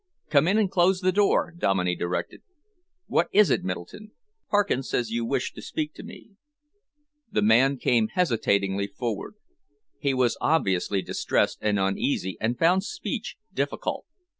"Come in and close the door," Dominey directed. "What is it, Middleton? Parkins says you wish to speak to me." The man came hesitatingly forward. He was obviously distressed and uneasy, and found speech difficult.